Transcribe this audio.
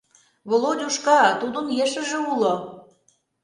— Володюшка, тудын ешыже уло.